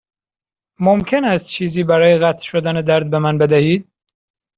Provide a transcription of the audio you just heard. ممکن است چیزی برای قطع شدن درد به من بدهید؟